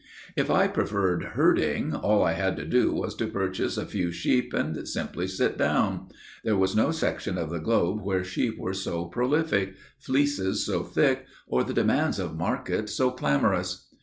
If I preferred herding, all I had to do was to purchase a few sheep and simply sit down. There was no section of the globe where sheep were so prolific, fleeces so thick, or the demands of market so clamorous.